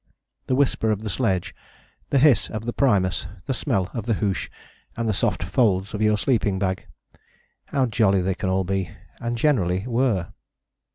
The whisper of the sledge, the hiss of the primus, the smell of the hoosh and the soft folds of your sleeping bag: how jolly they can all be, and generally were.